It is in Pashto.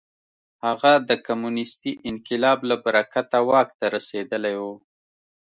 هغه د کمونېستي انقلاب له برکته واک ته رسېدلی و.